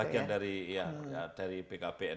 bagian dari bkbn